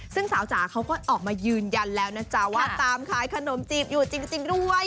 ซึ่งสาวจ๋าเขาก็ออกมายืนยันแล้วนะจ๊ะว่าตามขายขนมจีบอยู่จริงด้วย